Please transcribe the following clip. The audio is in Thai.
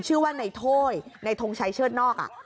ชื่อว่าในโถยในทงชัยเชิดนอก